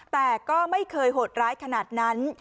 แต่ก็ไม่เคยโหดร้ายขนาดนั้น